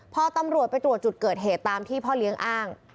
พอตำรวจไปตรวจจุดเกิดเหตุตามที่พ่อเลี้ยงอ้าง